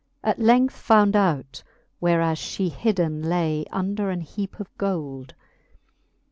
At length found out, whereas Ihe hidden lay . Under an heape of gold.